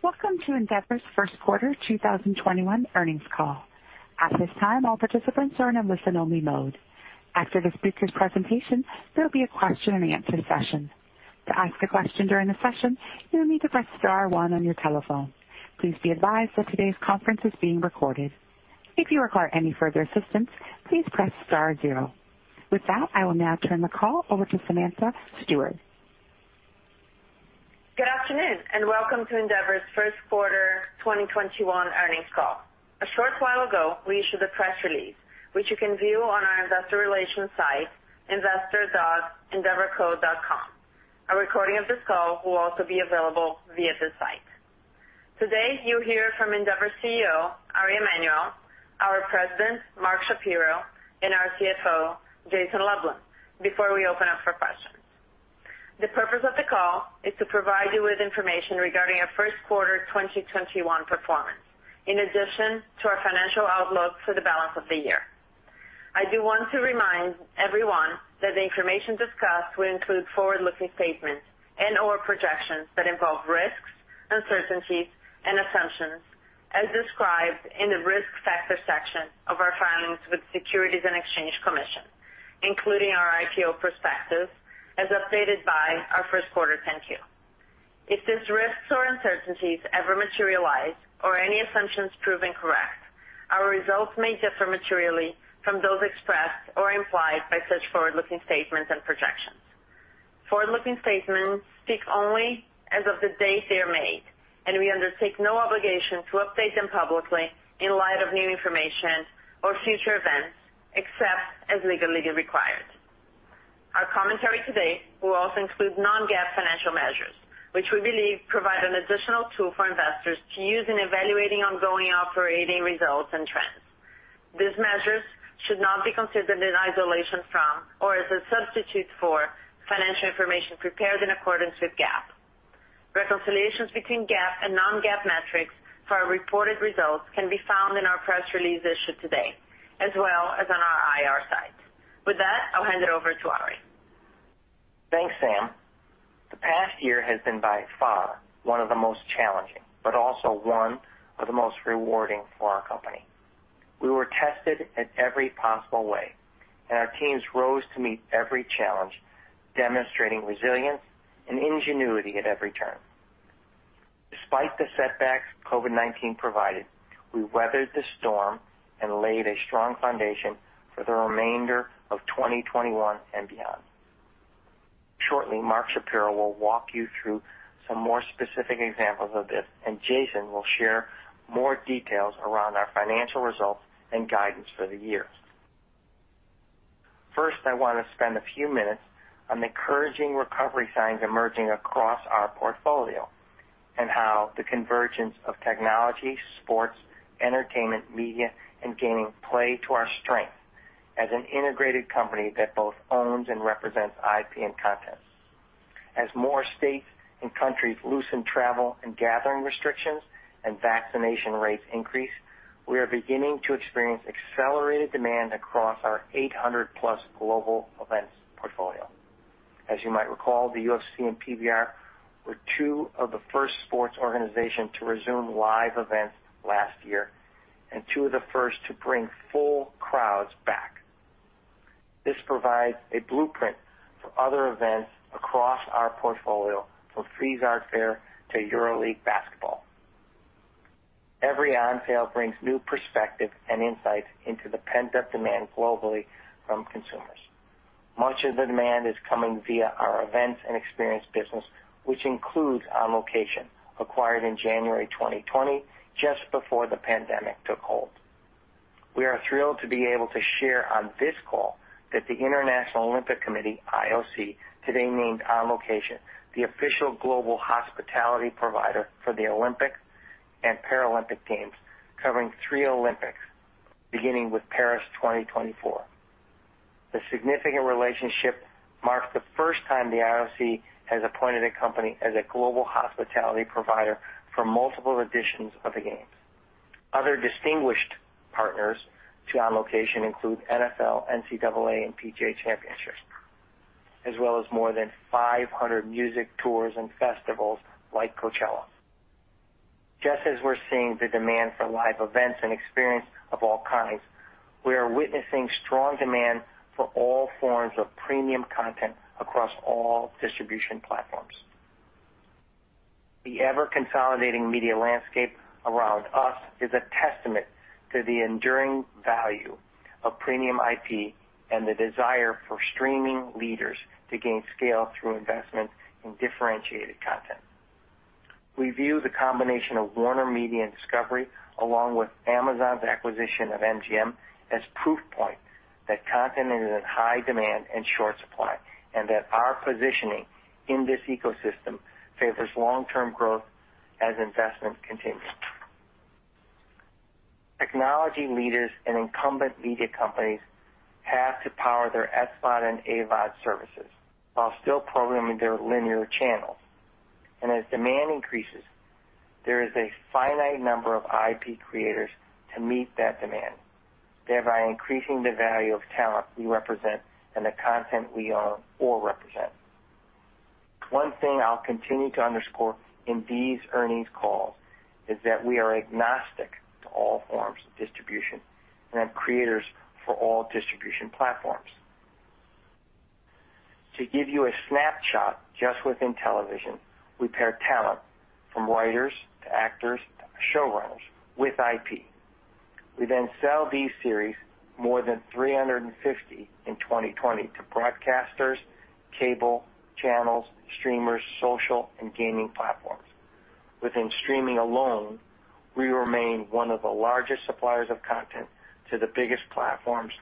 Welcome to Endeavor's first quarter 2021 earnings call. At this time, all participants are in a listen-only mode. After the speakers' presentation, there will be a question and answer session. To ask a question during the session, you will need to press star one on your telephone. Please be advised that this conference is being recorded. If you require any further assistance, please press star zero. With that, I will now turn the call over to Samanta Stewart. Good afternoon, and welcome to Endeavor's first quarter 2021 earnings call. A short while ago, we issued a press release, which you can view on our investor relations site, investor.endeavorco.com. A recording of this call will also be available via the site. Today, you'll hear from Endeavor's CEO, Ari Emanuel, our President, Mark Shapiro, and our CFO, Jason Lublin, before we open up for questions. The purpose of the call is to provide you with information regarding our first quarter 2021 performance, in addition to our financial outlook for the balance of the year. I do want to remind everyone that the information discussed will include forward-looking statements and/or projections that involve risks, uncertainties, and assumptions as described in the Risk Factors section of our filings with the Securities and Exchange Commission, including our IPO prospectus, as updated by our first quarter 10-Q. If these risks or uncertainties ever materialize or any assumptions prove incorrect, our results may differ materially from those expressed or implied by such forward-looking statements and projections. Forward-looking statements speak only as of the date they are made, we undertake no obligation to update them publicly in light of new information or future events, except as legally required. Our commentary today will also include non-GAAP financial measures, which we believe provide an additional tool for investors to use in evaluating ongoing operating results and trends. These measures should not be considered in isolation from or as a substitute for financial information prepared in accordance with GAAP. Reconciliations between GAAP and non-GAAP metrics for our reported results can be found in our press release issued today, as well as on our IR site. With that, I'll hand it over to Ari. Thanks, Sam. The past year has been by far one of the most challenging, but also one of the most rewarding for our company. We were tested in every possible way, and our teams rose to meet every challenge, demonstrating resilience and ingenuity at every turn. Despite the setbacks COVID-19 provided, we weathered the storm and laid a strong foundation for the remainder of 2021 and beyond. Shortly, Mark Shapiro will walk you through some more specific examples of this, and Jason will share more details around our financial results and guidance for the year. First, I want to spend a few minutes on encouraging recovery signs emerging across our portfolio and how the convergence of technology, sports, entertainment, media, and gaming play to our strength as an integrated company that both owns and represents IP and content. As more states and countries loosen travel and gathering restrictions and vaccination rates increase, we are beginning to experience accelerated demand across our 800+ global events portfolio. As you might recall, the UFC and PBR were two of the first sports organizations to resume live events last year and two of the first to bring full crowds back. This provides a blueprint for other events across our portfolio from Frieze Art Fair to Euroleague Basketball. Every on sale brings new perspective and insights into the pent-up demand globally from consumers. Much of the demand is coming via our events and experience business, which includes On Location, acquired in January 2020, just before the pandemic took hold. We are thrilled to be able to share on this call that the International Olympic Committee, IOC, today named On Location the official global hospitality provider for the Olympic and Paralympic Games, covering three Olympics, beginning with Paris 2024. The significant relationship marks the first time the IOC has appointed a company as a global hospitality provider for multiple editions of the games. Other distinguished partners to On Location include NFL, NCAA, and PGA Championships, as well as more than 500 music tours and festivals like Coachella. Just as we're seeing the demand for live events and experience of all kinds, we are witnessing strong demand for all forms of premium content across all distribution platforms. The ever-consolidating media landscape around us is a testament to the enduring value of premium IP and the desire for streaming leaders to gain scale through investment in differentiated content. We view the combination of WarnerMedia and Discovery, along with Amazon's acquisition of MGM, as proof points that content is in high demand and short supply, and that our positioning in this ecosystem favors long-term growth as investment continues. Technology leaders and incumbent media companies have to power their SVOD and AVOD services while still programming their linear channels. As demand increases. There is a finite number of IP creators to meet that demand, thereby increasing the value of talent we represent and the content we own or represent. One thing I'll continue to underscore in these earnings calls is that we are agnostic to all forms of distribution and have creators for all distribution platforms. To give you a snapshot just within television, we pair talent from writers to actors to showrunners with IP. We sell these series, more than 350 in 2020, to broadcasters, cable channels, streamers, social, and gaming platforms. Within streaming alone, we remain one of the largest suppliers of content to the biggest platforms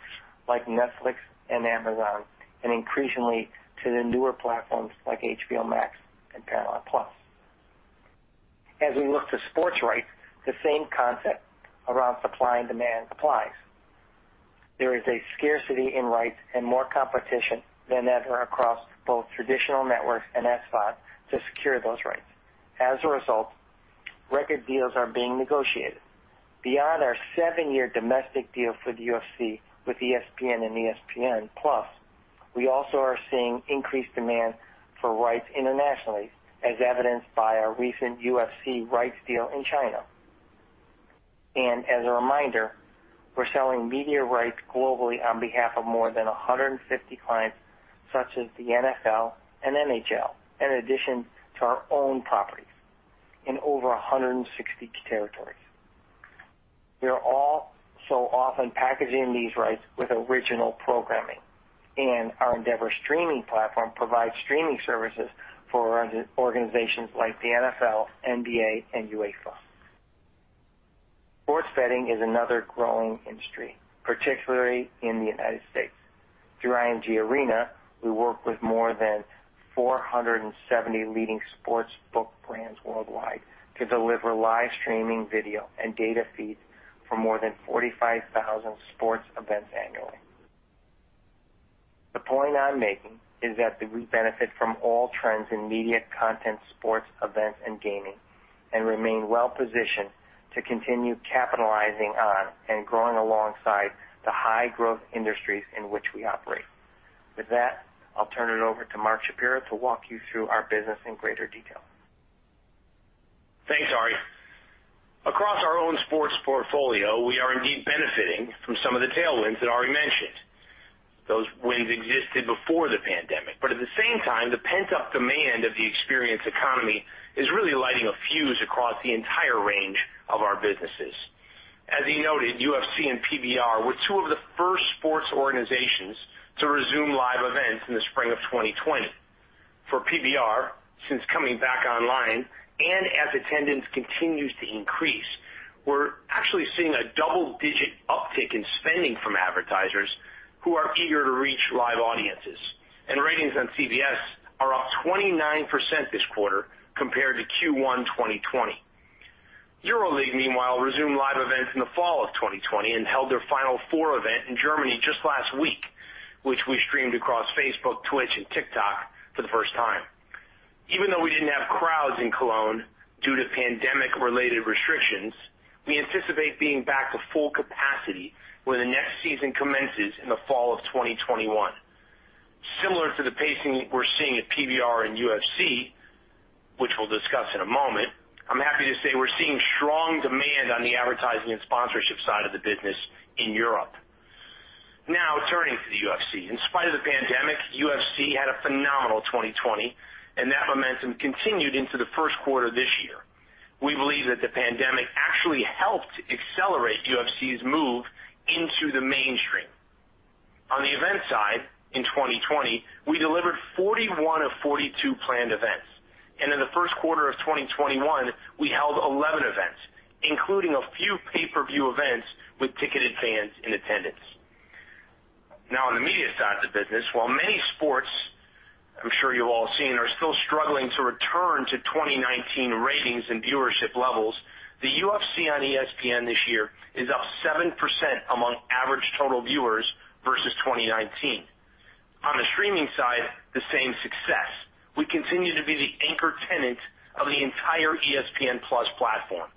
like Netflix and Amazon, and increasingly to the newer platforms like HBO Max and Paramount+. As we look to sports rights, the same concept around supply and demand applies. There is a scarcity in rights and more competition than ever across both traditional networks and SVOD to secure those rights. As a result, record deals are being negotiated. Beyond our seven-year domestic deal for the UFC with ESPN and ESPN+, we also are seeing increased demand for rights internationally, as evidenced by our recent UFC rights deal in China. As a reminder, we're selling media rights globally on behalf of more than 150 clients, such as the NFL and NHL, in addition to our own properties in over 160 territories. We are also often packaging these rights with original programming, and our Endeavor Streaming platform provides streaming services for organizations like the NFL, NBA, and UEFA. Sports betting is another growing industry, particularly in the United States. Through IMG Arena, we work with more than 470 leading sports book brands worldwide to deliver live streaming video and data feeds for more than 45,000 sports events annually. The point I'm making is that we benefit from all trends in media content, sports events, and gaming, and remain well-positioned to continue capitalizing on and growing alongside the high-growth industries in which we operate. With that, I'll turn it over to Mark Shapiro to walk you through our business in greater detail. Thanks, Ari. Across our own sports portfolio, we are indeed benefiting from some of the tailwinds that Ari mentioned. Those winds existed before the pandemic, at the same time, the pent-up demand of the experience economy is really lighting a fuse across the entire range of our businesses. As he noted, UFC and PBR were two of the first sports organizations to resume live events in the spring of 2020. For PBR, since coming back online and as attendance continues to increase, we're actually seeing a double-digit uptick in spending from advertisers who are eager to reach live audiences. Ratings on CBS are up 29% this quarter compared to Q1 2020. EuroLeague, meanwhile, resumed live events in the fall of 2020 and held their Final Four event in Germany just last week, which we streamed across Facebook, Twitch, and TikTok for the first time. Even though we didn't have crowds in Cologne due to pandemic-related restrictions, we anticipate being back at full capacity when the next season commences in the fall of 2021. Similar to the pacing we're seeing at PBR and UFC, which we'll discuss in a moment, I'm happy to say we're seeing strong demand on the advertising and sponsorship side of the business in Europe. Turning to the UFC. In spite of the pandemic, UFC had a phenomenal 2020, and that momentum continued into the first quarter of this year. We believe that the pandemic actually helped accelerate UFC's move into the mainstream. On the event side, in 2020, we delivered 41 of 42 planned events, and in the first quarter of 2021, we held 11 events, including a few pay-per-view events with ticketed fans in attendance. On the media side of the business, while many sports I'm sure you've all seen are still struggling to return to 2019 ratings and viewership levels, the UFC on ESPN this year is up 7% among average total viewers versus 2019. On the streaming side, the same success. We continue to be the anchor tenant of the entire ESPN+ platform.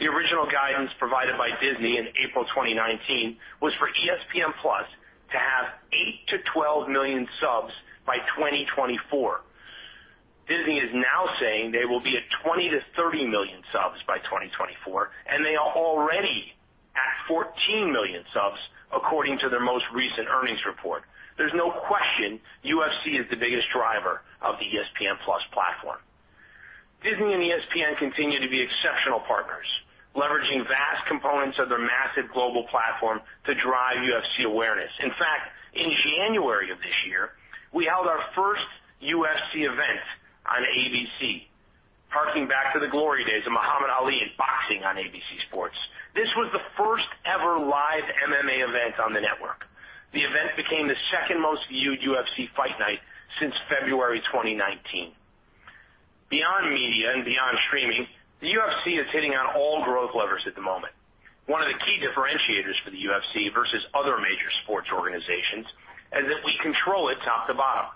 The original guidance provided by Disney in April 2019 was for ESPN+ to have 8 million-12 million subs by 2024. Disney is now saying they will be at 20 million-30 million subs by 2024, and they are already at 14 million subs according to their most recent earnings report. There's no question UFC is the biggest driver of the ESPN+ platform. Disney and ESPN continue to be exceptional partners, leveraging vast components of their massive global platform to drive UFC awareness. In January of this year, we held our first UFC event on ABC, harking back to the glory days of Muhammad Ali and boxing on ABC Sports. This was the first ever live MMA event on the network. The event became the second most viewed UFC fight night since February 2019. Beyond media and beyond streaming, the UFC is hitting on all growth levers at the moment. One of the key differentiators for the UFC versus other major sports organizations is that we control it top to bottom.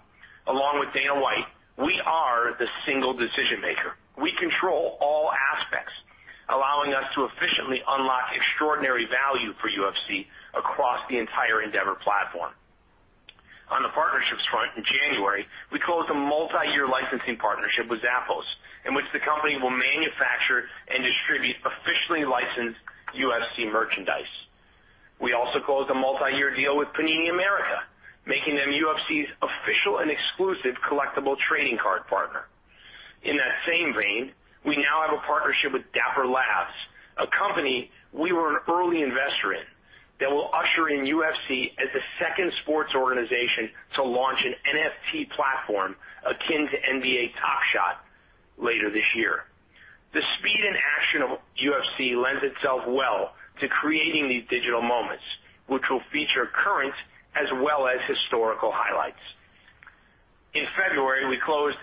Along with Dana White, we are the single decision-maker. We control all aspects, allowing us to efficiently unlock extraordinary value for UFC across the entire Endeavor platform. On the partnerships front in January, we closed a multi-year licensing partnership with Zappos, in which the company will manufacture and distribute officially licensed UFC merchandise. We also closed a multi-year deal with Panini America, making them UFC's official and exclusive collectible trading card partner. In that same vein, we now have a partnership with Dapper Labs, a company we were an early investor in, that will usher in UFC as the second sports organization to launch an NFT platform akin to NBA Top Shot later this year. The speed and action of UFC lends itself well to creating these digital moments, which will feature current as well as historical highlights. In February, we closed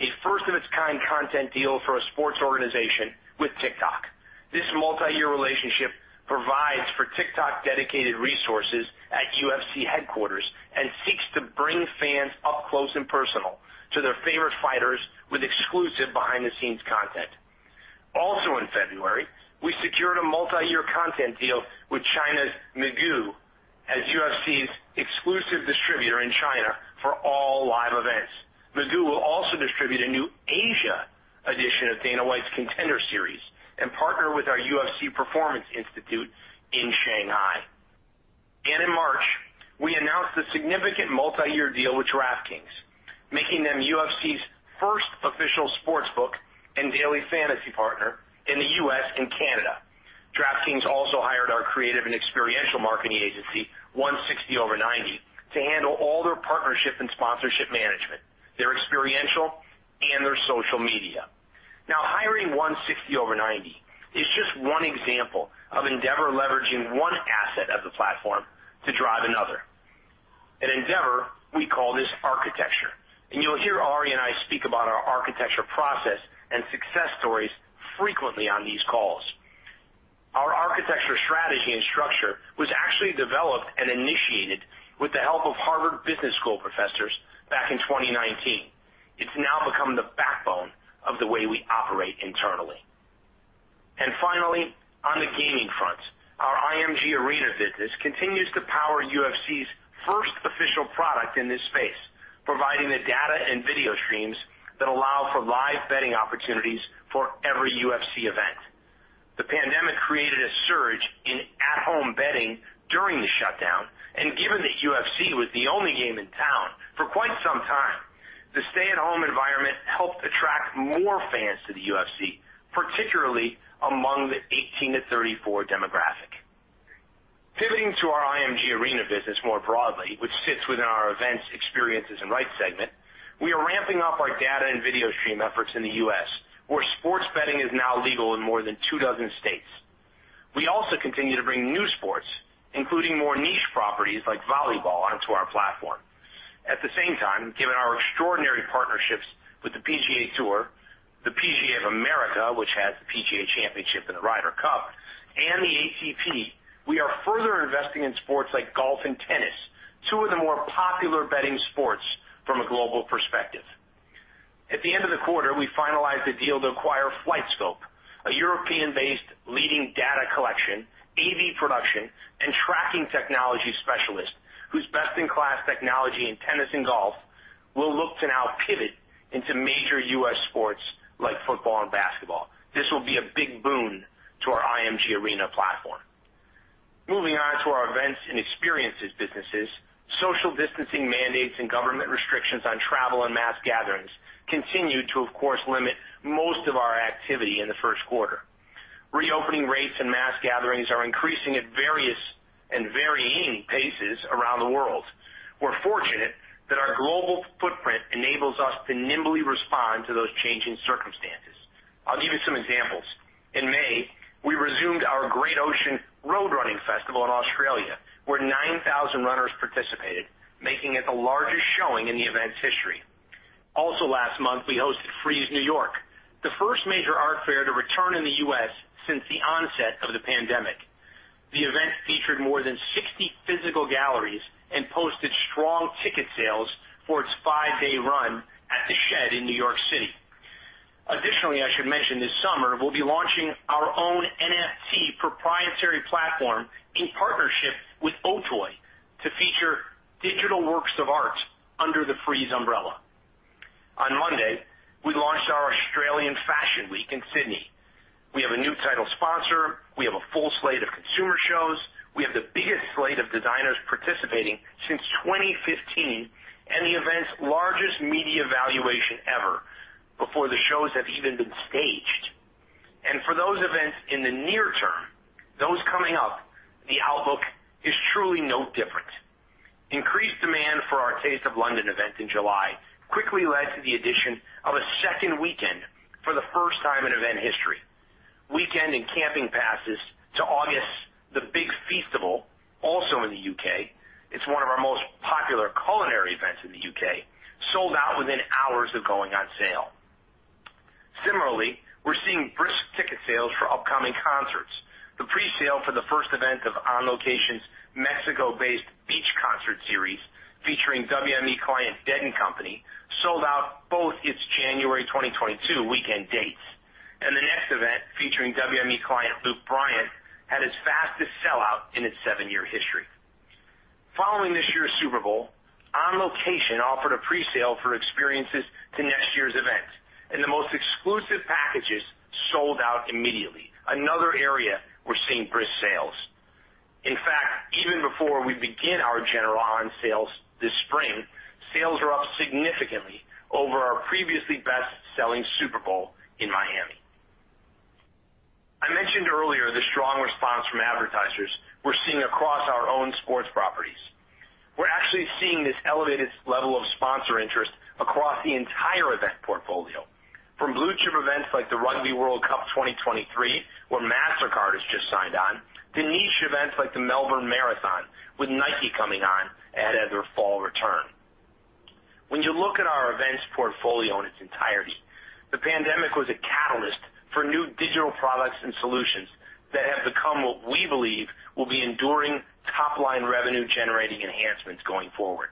a first-of-its-kind content deal for a sports organization with TikTok. This multi-year relationship provides for TikTok-dedicated resources at UFC headquarters and seeks to bring fans up close and personal to their favorite fighters with exclusive behind-the-scenes content. Also in February, we secured a multi-year content deal with China's Migu as UFC's exclusive distributor in China for all live events. Migu will also distribute a new Asia edition of Dana White's Contender Series and partner with our UFC Performance Institute in Shanghai. In March, we announced a significant multi-year deal with DraftKings, making them UFC's first official sportsbook and daily fantasy partner in the U.S. and Canada. DraftKings also hired our creative and experiential marketing agency, 160over90, to handle all their partnership and sponsorship management, their experiential, and their social media. Hiring 160over90 is just one example of Endeavor leveraging one asset of the platform to drive another. At Endeavor, we call this architecture, and you'll hear Ari and I speak about our architecture process and success stories frequently on these calls. Our architecture strategy and structure was actually developed and initiated with the help of Harvard Business School professors back in 2019. It's now become the backbone of the way we operate internally. Finally, on the gaming front, our IMG Arena business continues to power UFC's first official product in this space, providing the data and video streams that allow for live betting opportunities for every UFC event. The pandemic created a surge in at-home betting during the shutdown, and given that UFC was the only game in town for quite some time, the stay-at-home environment helped attract more fans to the UFC, particularly among the 18-34 demographic. Pivoting to our IMG Arena business more broadly which sits with our events, experiences & rights segment, we are ramping up our data and video stream efforts in the U.S., where sports betting is now legal in more than two dozen states. We also continue to bring new sports, including more niche properties like volleyball, onto our platform. At the same time, given our extraordinary partnerships with the PGA Tour, the PGA of America, which has the PGA Championship and the Ryder Cup, and the ATP, we are further investing in sports like golf and tennis, two of the more popular betting sports from a global perspective. At the end of the quarter, we finalized a deal to acquire FlightScope, a European-based leading data collection, AV production, and tracking technology specialist whose best-in-class technology in tennis and golf will look to now pivot into major U.S. sports like football and basketball. This will be a big boon to our IMG Arena platform. Moving on to our events and experiences businesses, social distancing mandates and government restrictions on travel and mass gatherings continued to, of course, limit most of our activity in the first quarter. Reopening rates and mass gatherings are increasing at various and varying paces around the world. We're fortunate that our global footprint enables us to nimbly respond to those changing circumstances. I'll give you some examples. In May, we resumed our Great Ocean Road Running Festival in Australia, where 9,000 runners participated, making it the largest showing in the event's history. Last month, we hosted Frieze New York, the first major art fair to return in the U.S. since the onset of the pandemic. The event featured more than 60 physical galleries and posted strong ticket sales for its five-day run at The Shed in New York City. Additionally, I should mention this summer, we'll be launching our own NFT proprietary platform in partnership with OTOY to feature digital works of art under the Frieze umbrella. On Monday, we launched our Australian Fashion Week in Sydney. We have a new title sponsor, we have a full slate of consumer shows, we have the biggest slate of designers participating since 2015, and the event's largest media valuation ever before the shows have even been staged. For those events in the near term, those coming up, the outlook is truly no different. Increased demand for our Taste of London event in July quickly led to the addition of a second weekend for the first time in event history. Weekend and camping passes to August The Big Feastival, also in the U.K., it's one of our most popular culinary events in the U.K., sold out within hours of going on sale. Similarly, we're seeing brisk ticket sales for upcoming concerts. The pre-sale for the first event of On Location's Mexico-based beach concert series featuring WME client, Dead & Company, sold out both its January 2022 weekend dates. The next event, featuring WME client, Luke Bryan, had its fastest sellout in its seven-year history. Following this year's Super Bowl, On Location offered a pre-sale for experiences to next year's event, and the most exclusive packages sold out immediately. Another area we're seeing brisk sales. In fact, even before we begin our general on sales this spring, sales are up significantly over our previously best-selling Super Bowl in Miami. I mentioned earlier the strong response from advertisers we're seeing across our Owned Sports Properties. We're actually seeing this elevated level of sponsor interest across the entire event portfolio. From blue-chip events like the Rugby World Cup 2023, where Mastercard has just signed on, to niche events like the Melbourne Marathon, with Nike coming on ahead of their fall return. When you look at our events portfolio in its entirety, the pandemic was a catalyst for new digital products and solutions that have become what we believe will be enduring top-line revenue-generating enhancements going forward.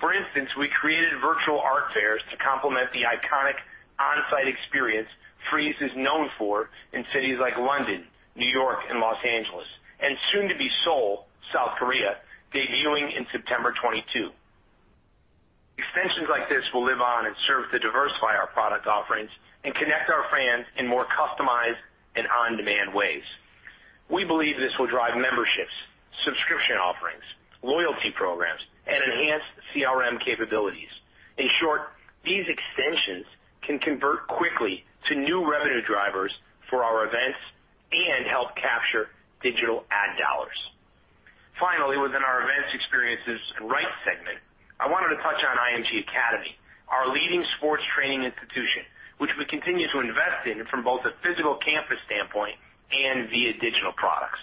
For instance, we created virtual art fairs to complement the iconic on-site experience Frieze is known for in cities like London, New York, and Los Angeles, and soon to be Seoul, South Korea, debuting in September 2022. Extensions like this will live on and serve to diversify our product offerings and connect our fans in more customized and on-demand ways. We believe this will drive memberships, subscription offerings, loyalty programs, and enhanced CRM capabilities. In short, these extensions can convert quickly to new revenue drivers for our events and help capture digital ad dollars. Finally, within our events, experiences, and rights segment, I wanted to touch on IMG Academy, our leading sports training institution, which we continue to invest in from both a physical campus standpoint and via digital products.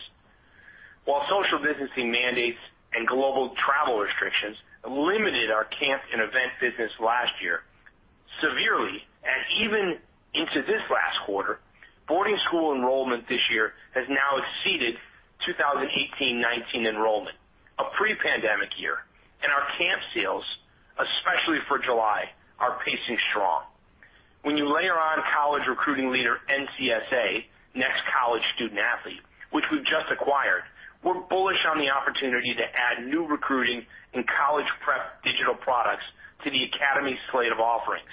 While social distancing mandates and global travel restrictions limited our camp and event business last year severely and even into this last quarter, boarding school enrollment this year has now exceeded 2018-2019 enrollment, a pre-pandemic year. Our camp sales, especially for July, are pacing strong. When you layer on college recruiting leader NCSA, Next College Student Athlete, which we've just acquired, we're bullish on the opportunity to add new recruiting and college prep digital products to the Academy's slate of offerings.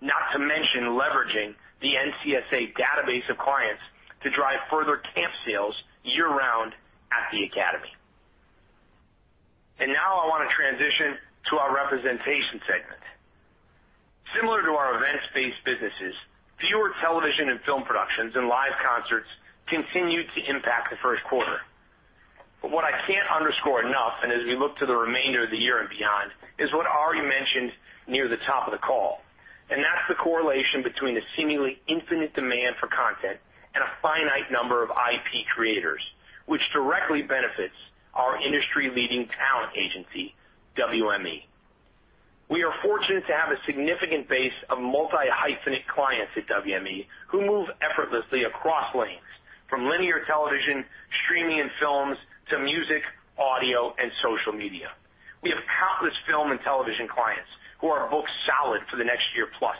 Not to mention leveraging the NCSA database of clients to drive further camp sales year-round at the Academy. Now I want to transition to our representation segment. Similar to our events-based businesses, fewer television and film productions and live concerts continued to impact the first quarter. What I can't underscore enough, and as we look to the remainder of the year and beyond, is what I already mentioned near the top of the call. That's the correlation between the seemingly infinite demand for content and a finite number of IP creators, which directly benefits our industry-leading talent agency, WME. We are fortunate to have a significant base of multi-hyphenate clients at WME who move effortlessly across lanes, from linear television, streaming and films, to music, audio, and social media. We have countless film and television clients who are booked solid for the next year-plus.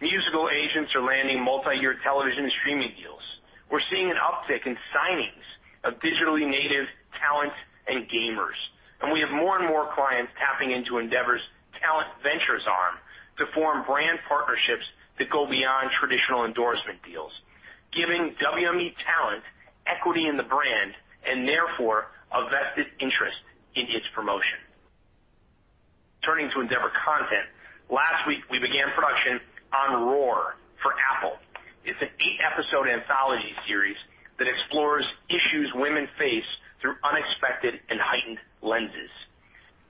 Musical agents are landing multi-year television and streaming deals. We're seeing an uptick in signings of digitally native talent and gamers. We have more and more clients tapping into Endeavor Talent Ventures arm to form brand partnerships that go beyond traditional endorsement deals, giving WME talent equity in the brand and therefore a vested interest in its promotion. Turning to Endeavor Content. Last week, we began production on Roar for Apple. It's an eight-episode anthology series that explores issues women face through unexpected and heightened lenses.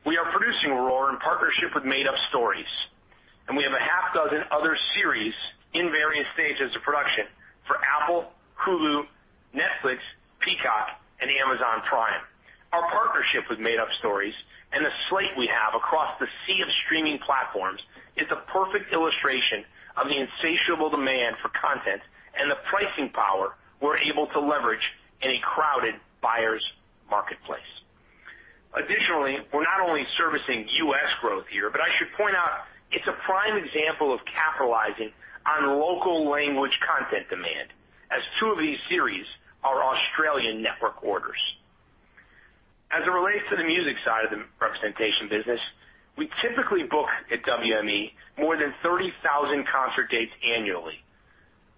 We are producing Roar in partnership with Made Up Stories, and we have a half dozen other series in various stages of production for Apple, Hulu, Netflix, Peacock, and Amazon Prime. Our partnership with Made Up Stories and the slate we have across the sea of streaming platforms is a perfect illustration of the insatiable demand for content and the pricing power we're able to leverage in a crowded buyer's marketplace. We're not only servicing U.S. growth here, but I should point out it's a prime example of capitalizing on local language content demand, as two of these series are Australian network orders. As it relates to the music side of the representation business, we typically book at WME more than 30,000 concert dates annually.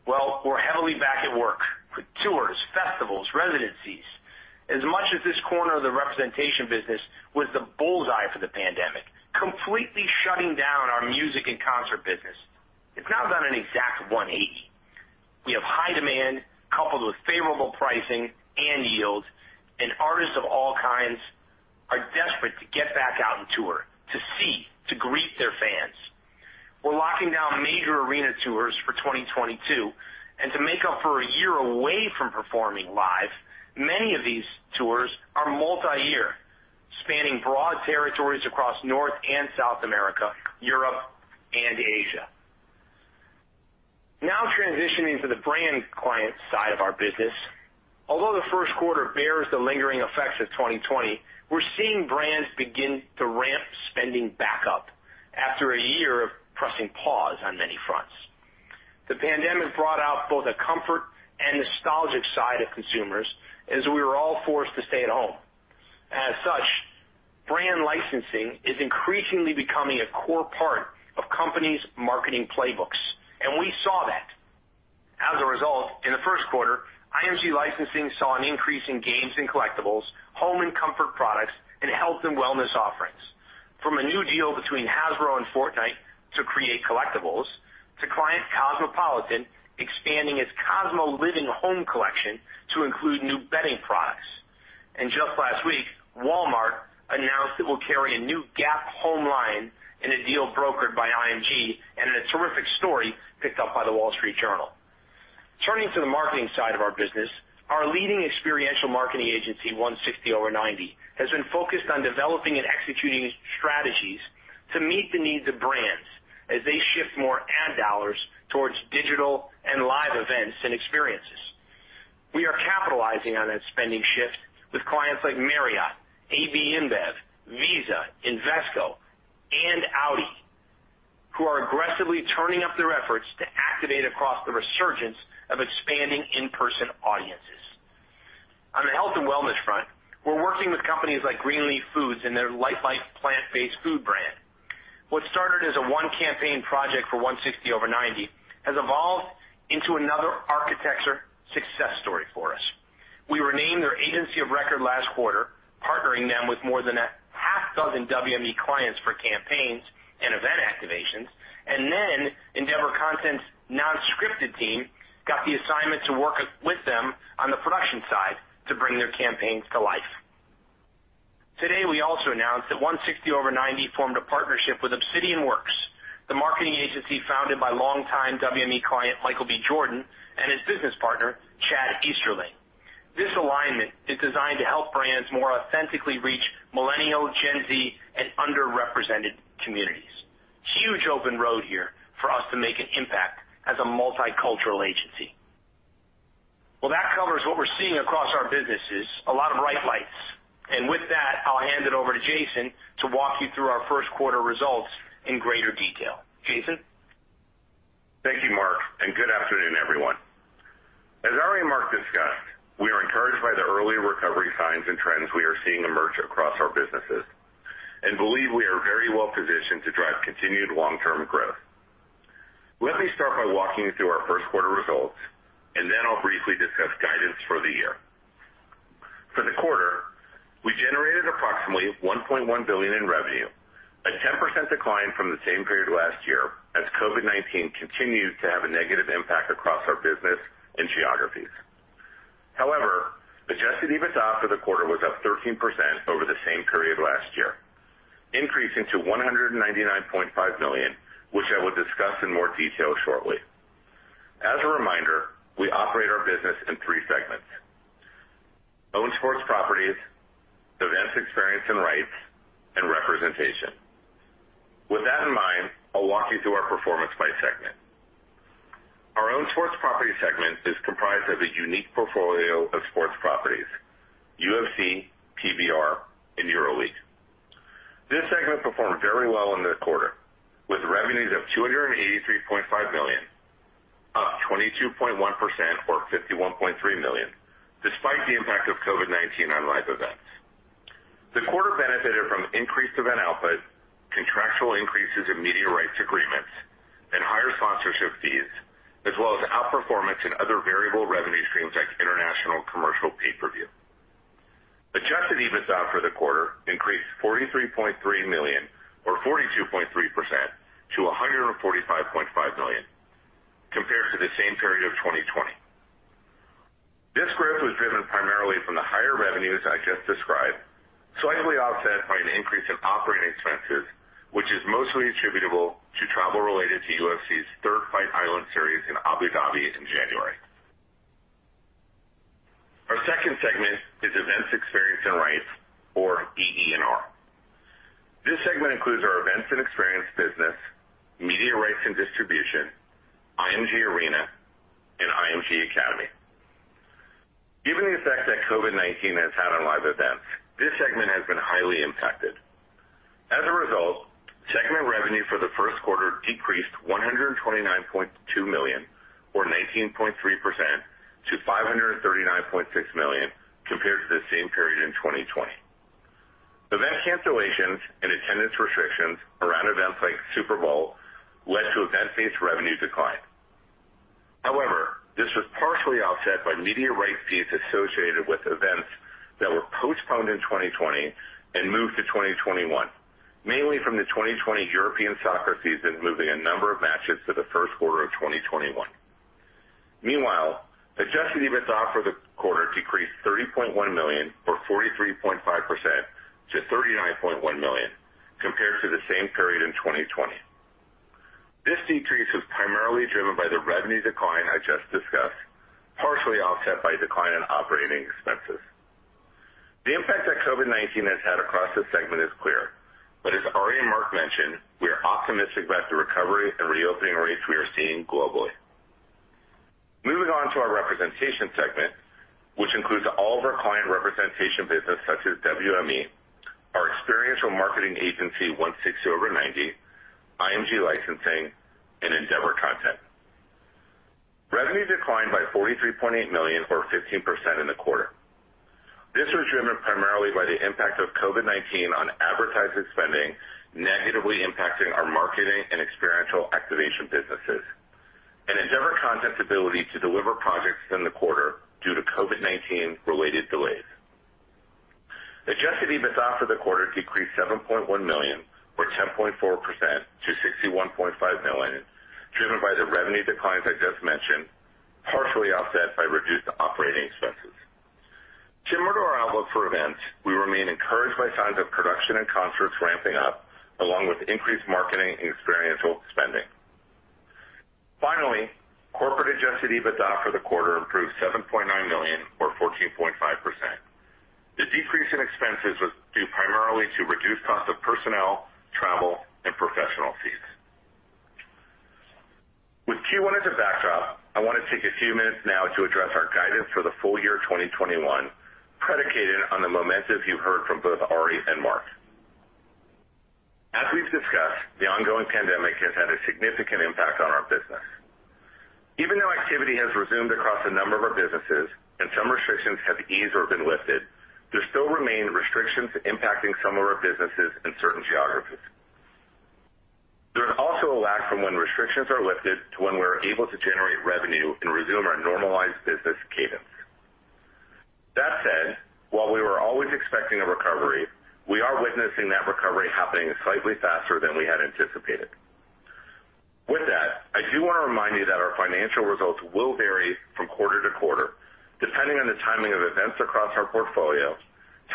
Well, we're heavily back at work with tours, festivals, residencies. As much as this corner of the representation business was the bullseye for the pandemic, completely shutting down our music and concert business, it's now done an exact 180. We have high demand coupled with favorable pricing and yield, and artists of all kinds are desperate to get back out and tour, to see, to greet their fans. We're locking down major arena tours for 2022, and to make up for a year away from performing live, many of these tours are multi-year, spanning broad territories across North and South America, Europe, and Asia. Now transitioning to the brand client side of our business. Although the first quarter bears the lingering effects of 2020, we're seeing brands begin to ramp spending back up after a year of pressing pause on many fronts. The pandemic brought out both a comfort and nostalgic side of consumers as we were all forced to stay at home. As such, brand licensing is increasingly becoming a core part of companies' marketing playbooks, and we saw that. As a result, in the first quarter, IMG Licensing saw an increase in games and collectibles, home and comfort products, and health and wellness offerings. From a new deal between Hasbro and Fortnite to create collectibles, to client Cosmopolitan expanding its CosmoLiving home collection to include new bedding products. Just last week, Walmart announced it will carry a new Gap home line in a deal brokered by IMG and in a terrific story picked up by The Wall Street Journal. Turning to the marketing side of our business, our leading experiential marketing agency, 160over90, has been focused on developing and executing strategies to meet the needs of brands as they shift more ad dollars towards digital and live events and experiences. We are capitalizing on that spending shift with clients like Marriott, AB InBev, Visa, Invesco, and Audi, who are aggressively turning up their efforts to activate across the resurgence of expanding in-person audiences. On the health and wellness front, we're working with companies like Greenleaf Foods and their Lightlife plant-based food brand. What started as a one-campaign project for 160over90 has evolved into another architecture success story for us. We were named their agency of record last quarter, partnering them with more than a half dozen WME clients for campaigns and event activations. Endeavor Content's non-scripted team got the assignment to work with them on the production side to bring their campaigns to life. Today, we also announced that 160over90 formed a partnership with Obsidianworks, the marketing agency founded by longtime WME client, Michael B. Jordan, and his business partner, Chad Easterling. This alignment is designed to help brands more authentically reach Millennial, Gen Z, and underrepresented communities. Huge open road here for us to make an impact as a multicultural agency. Well, that covers what we're seeing across our businesses, a lot of bright lights. With that, I'll hand it over to Jason to walk you through our first quarter results in greater detail. Jason? Thank you, Mark, good afternoon, everyone. As Ari and Mark discussed, we are encouraged by the early recovery signs and trends we are seeing emerge across our businesses, and believe we are very well positioned to drive continued long-term growth. Let me start by walking you through our first quarter results, and then I'll briefly discuss guidance for the year. For the quarter, we generated approximately $1.1 billion in revenue, a 10% decline from the same period last year as COVID-19 continued to have a negative impact across our business and geographies. However, adjusted EBITDA for the quarter was up 13% over the same period last year, increasing to $199.5 million, which I will discuss in more detail shortly. As a reminder, we operate our business in three segments, owned sports properties, events, experiences and rights, and representation. With that in mind, I'll walk you through our performance by segment. Our owned sports properties segment is comprised of a unique portfolio of sports properties, UFC, PBR, and EuroLeague. This segment performed very well in this quarter, with revenues of $283.5 million, up 22.1% or $51.3 million, despite the impact of COVID-19 on live events. The quarter benefited from increased event output, contractual increases in media rights agreements, and higher sponsorship fees, as well as outperformance in other variable revenue streams like international commercial pay-per-view. Adjusted EBITDA for the quarter increased $43.3 million or 42.3% to $145.5 million compared to the same period of 2020. This growth was driven primarily from the higher revenues I just described, slightly offset by an increase in operating expenses, which is mostly attributable to travel related to UFC's third Fight Island series in Abu Dhabi in January. Our second segment is events, experience, and rights, or EE&R. This segment includes our events and experience business, media rights and distribution, IMG Arena and IMG Academy. Given the effect that COVID-19 has had on live events, this segment has been highly impacted. As a result, segment revenue for the first quarter decreased $129.2 million or 19.3% to $539.6 million compared to the same period in 2020. Event cancellations and attendance restrictions around events like Super Bowl led to event-based revenue decline. However, this was partially offset by media rights fees associated with events that were postponed in 2020 and moved to 2021, mainly from the European soccer season, moving a number of matches to the first quarter of 2021. Adjusted EBITDA for the quarter decreased $30.1 million or 43.5% to $39.1 million compared to the same period in 2020. This decrease was primarily driven by the revenue decline I just discussed, partially offset by decline in operating expenses. The impact that COVID-19 has had across the segment is clear, but as Ari and Mark mentioned, we are optimistic about the recovery and reopening rates we are seeing globally. Moving on to our representation segment, which includes all of our client representation businesses such as WME, our experiential marketing agency, 160over90, IMG Licensing, and Endeavor Content. Revenue declined by $43.8 million or 15% in the quarter. This was driven primarily by the impact of COVID-19 on advertising spending, negatively impacting our marketing and experiential activation businesses, and Endeavor Content's ability to deliver projects within the quarter due to COVID-19 related delays. Adjusted EBITDA for the quarter decreased $7.1 million or 10.4% to $61.5 million, driven by the revenue declines I just mentioned, partially offset by reduced operating expenses. Similar to our outlook for events, we remain encouraged by signs of production and concerts ramping up, along with increased marketing and experiential spending. Finally, corporate adjusted EBITDA for the quarter improved $7.9 million or 14.5%. The decrease in expenses was due primarily to reduced costs of personnel, travel, and professional fees. With Q1 as a backdrop, I want to take a few minutes now to address our guidance for the full year 2021, predicated on the momentum you've heard from both Ari and Mark. As we've discussed, the ongoing pandemic has had a significant impact on our business. Even though activity has resumed across a number of our businesses and some restrictions have eased or been lifted, there still remain restrictions impacting some of our businesses in certain geographies. There is also a lag from when restrictions are lifted to when we are able to generate revenue and resume our normalized business cadence. That said, while we were always expecting a recovery, we are witnessing that recovery happening slightly faster than we had anticipated. With that, I do want to remind you that our financial results will vary from quarter to quarter depending on the timing of events across our portfolio,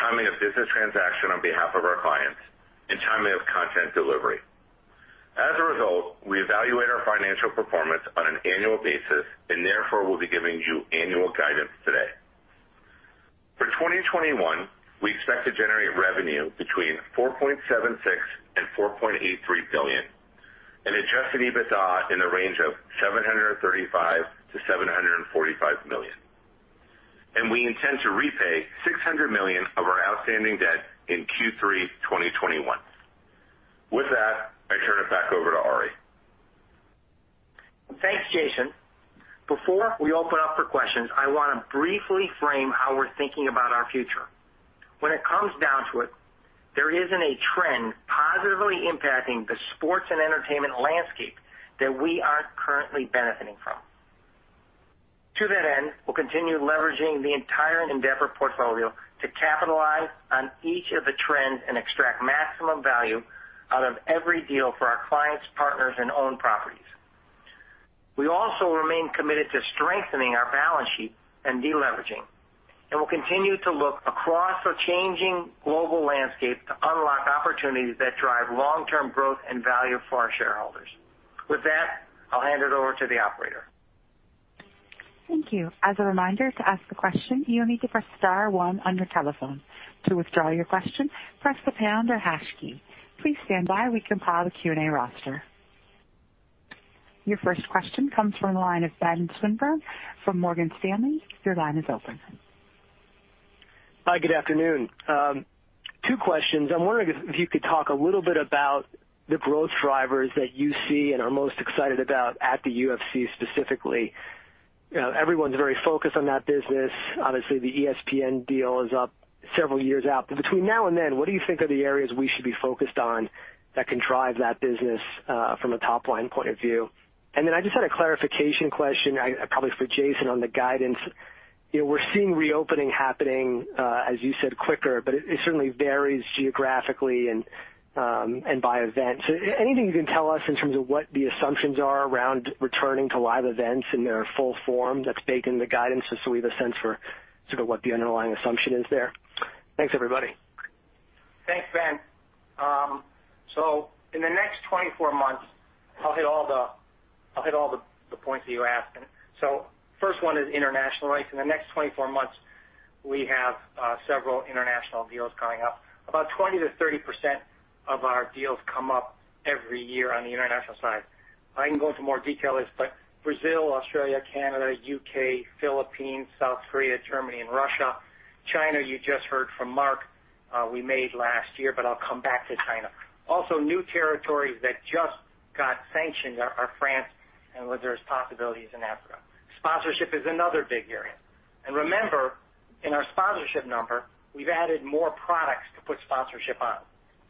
timing of business transaction on behalf of our clients, and timing of content delivery. As a result, we evaluate our financial performance on an annual basis and therefore will be giving you annual guidance today. For 2021, we expect to generate revenue between $4.76 billion and $4.83 billion and adjusted EBITDA in the range of $735 million-$745 million. We intend to repay $600 million of our outstanding debt in Q3 2021. With that, I turn it back over to Ari. Thanks, Jason. Before we open up for questions, I want to briefly frame how we're thinking about our future. When it comes down to it, there isn't a trend positively impacting the sports and entertainment landscape that we aren't currently benefiting from. To that end, we'll continue leveraging the entire Endeavor portfolio to capitalize on each of the trends and extract maximum value out of every deal for our clients, partners, and owned properties. We also remain committed to strengthening our balance sheet and de-leveraging, and we'll continue to look across our changing global landscape to unlock opportunities that drive long-term growth and value for our shareholders. With that, I'll hand it over to the operator. Thank you. Your first question comes from the line of Ben Swinburne from Morgan Stanley. Your line is open. Hi, good afternoon. Two questions. I'm wondering if you could talk a little bit about the growth drivers that you see and are most excited about at the UFC specifically. Everyone's very focused on that business. Obviously, the ESPN deal is up several years out. Between now and then, what do you think are the areas we should be focused on that can drive that business from a top-line point of view? I just had a clarification question probably for Jason on the guidance. We're seeing reopening happening, as you said, quicker, but it certainly varies geographically and by event. Anything you can tell us in terms of what the assumptions are around returning to live events in their full form that's baked in the guidance just so we have a sense for sort of what the underlying assumption is there? Thanks, everybody. Thanks, Ben. In the next 24 months, I'll hit all the points that you asked me. First one is international rights. In the next 24 months, we have several international deals coming up. About 20%-30% of our deals come up every year on the international side. I can go into more details, but Brazil, Australia, Canada, U.K., Philippines, South Korea, Germany, and Russia. China, you just heard from Mark, we made last year, but I'll come back to China. New territories that just got sanctioned are France and where there's possibilities in Africa. Sponsorship is another big area. Remember, in our sponsorship number, we've added more products to put sponsorship on.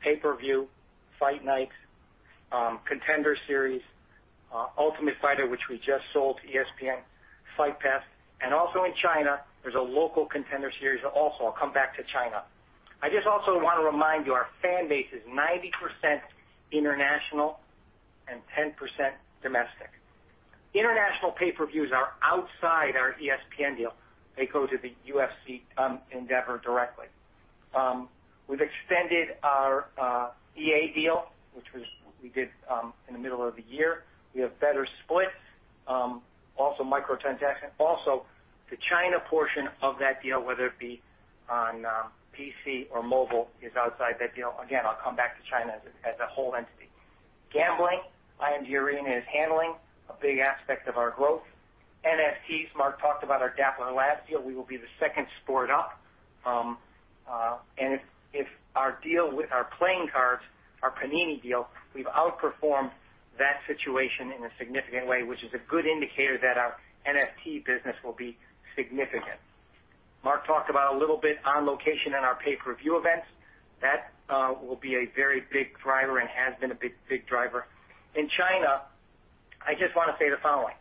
Pay-per-view, fight nights, contender series, The Ultimate Fighter, which we just sold to ESPN, UFC Fight Pass, and also in China, there's a local contender series also. I'll come back to China. I just also want to remind you, our fan base is 90% international and 10% domestic. International pay-per-views are outside our ESPN deal. They go to the UFC Endeavor directly. We've extended our EA deal, which we did in the middle of the year. We have better splits, also micro transaction. Also, the China portion of that deal, whether it be on PC or mobile, is outside that deal. Again, I'll come back to China as a whole entity. Gambling, IMG Arena is handling a big aspect of our growth. NFTs, Mark talked about our Dapper Labs deal. We will be the second sport up. If our deal with our playing cards, our Panini deal, we've outperformed that situation in a significant way, which is a good indicator that our NFT business will be significant. Mark talked about a little bit On Location and our pay-per-view events. That will be a very big driver and has been a big driver. In China, I just want to say the following.